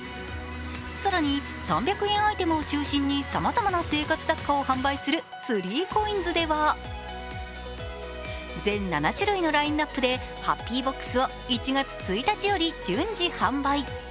更に３００円アイテムを中心にさまざまな生活雑貨を販売する３ＣＯＩＮＳでは全７種類のラインナップでＨＡＰＰＹＢＯＸを１月１日より順次販売。